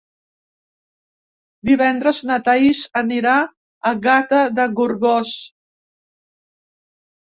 Divendres na Thaís anirà a Gata de Gorgos.